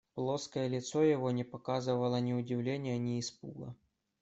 Плоское лицо его не показывало ни удивления, ни испуга.